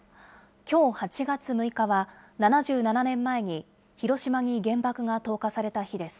きょう８月６日は、７７年前に広島に原爆が投下された日です。